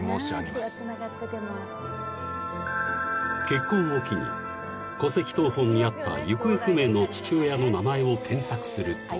［結婚を機に戸籍謄本にあった行方不明の父親の名前を検索すると］